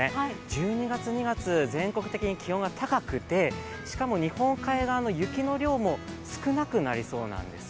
１２月２月、全国的に気温が高くてしかも日本海側の雪の量も高くなりそうなんです。